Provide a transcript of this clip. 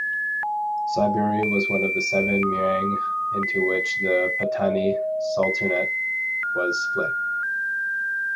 Saiburi was one of the seven "Mueang" into which the Pattani sultanate was split.